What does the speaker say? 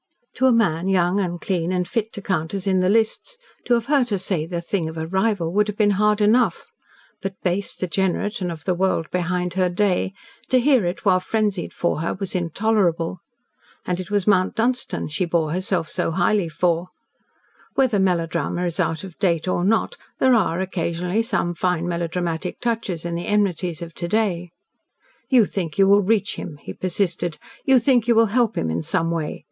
To a man young and clean and fit to count as in the lists, to have heard her say the thing of a rival would have been hard enough, but base, degenerate, and of the world behind her day, to hear it while frenzied for her, was intolerable. And it was Mount Dunstan she bore herself so highly for. Whether melodrama is out of date or not there are, occasionally, some fine melodramatic touches in the enmities of to day. "You think you will reach him," he persisted. "You think you will help him in some way.